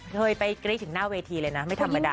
เคยไปกรี๊ดถึงหน้าเวทีเลยนะไม่ธรรมดา